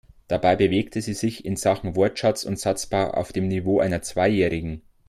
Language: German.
Dabei bewegte sie sich in Sachen Wortschatz und Satzbau auf dem Niveau einer Zweijährigen.